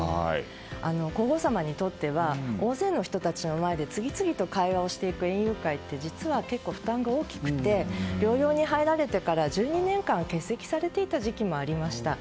皇后さまにとっては大勢の人の前で次々と会話をしていく園遊会って実は結構、負担が大きくて療養に入られてから１２年間欠席されていた時期もありました。